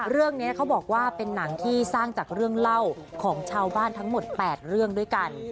เรื่องนี้เขาบอกว่าเป็นหนังที่สร้างจากเรื่องเล่าของชาวบ้านทั้งหมด๘เรื่องด้วยกัน